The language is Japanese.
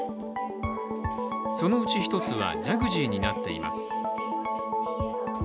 そのうち１つは、ジャグジーになっています。